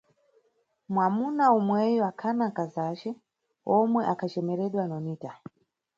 Mwamuna umweyu akhana nkazace, omwe akhacemeredwa Nonita.